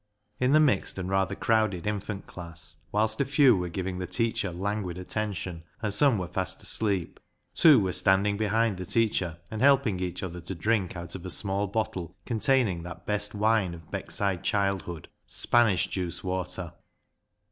In the mixed and rather crowded infant class, whilst a few were giving the teacher languid 36 36 BECKSIDE LIGHTS attention and some were fast asleep, two were standing behind the teacher and helping each other to drink out of a small bottle containing that best wine of Beckside childhood — Spanish juice water.